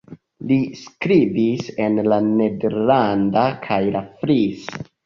Li skribis en la nederlanda kaj la frisa.